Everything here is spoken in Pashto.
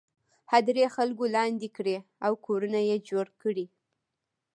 هدیرې خلکو لاندې کړي او کورونه یې جوړ کړي.